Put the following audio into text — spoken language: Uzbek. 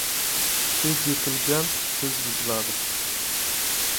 • Tez yetilgan tez buziladi.